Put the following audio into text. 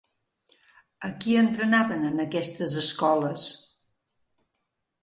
A qui entrenaven en aquestes escoles?